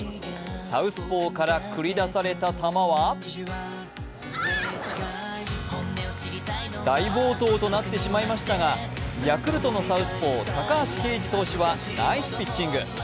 サウスポーから繰り出された球は大暴投となってしまいましたが、ヤクルトのサウスポー・高橋奎二投手はナイスピッチング。